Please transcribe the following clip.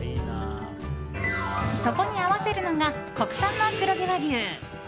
そこに合わせるのが国産の黒毛和牛。